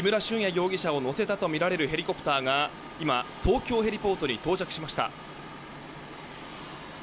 容疑者を乗せたとみられるヘリコプターが今、東京ヘリポートに到着しました。